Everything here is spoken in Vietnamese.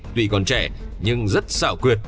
tuy còn trẻ nhưng rất xảo quyệt